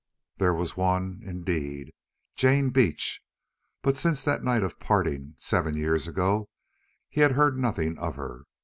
There was one indeed, Jane Beach. But since that night of parting, seven years ago, he had heard nothing of her.